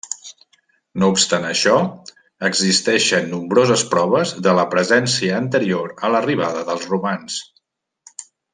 No obstant això, existeixen nombroses proves de la presència anterior a l'arribada dels romans.